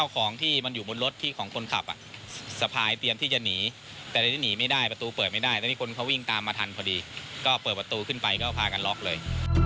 ก็เปิดประตูขึ้นไปเขาก็พากันล็อกเลย